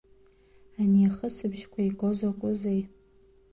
Ани ахысбыжьқәа иго закәызеи?